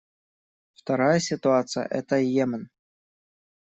Вторая ситуация — это Йемен.